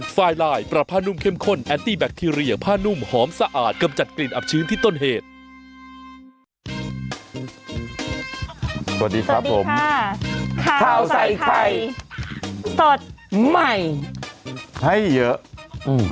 สวัสดีครับผมค่ะข้าวใส่ไข่สดใหม่ให้เยอะอืม